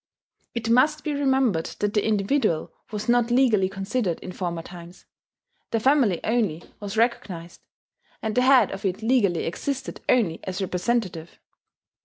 It must be remembered that the individual was not legally considered in former times: the family only was recognized; and the head of it legally existed only as representative.